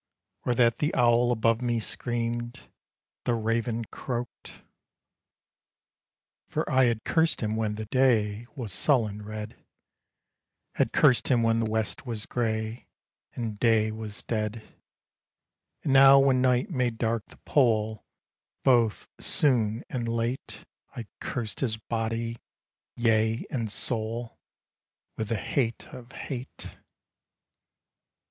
Or that the owl above me screamed, The raven croaked! For I had cursed him when the day Was sullen red; Had cursed him when the West was gray, And day was dead; And now when night made dark the pole, Both soon and late I cursed his body, yea, and soul, With the hate of hate.